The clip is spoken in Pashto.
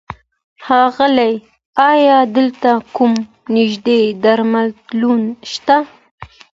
ښاغيله! ايا دلته کوم نيږدې درملتون شته؟